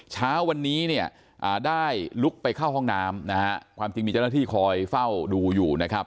เช้าวันนี้เนี่ยได้ลุกไปเข้าห้องน้ำนะฮะความจริงมีเจ้าหน้าที่คอยเฝ้าดูอยู่นะครับ